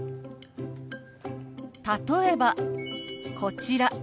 例えばこちら。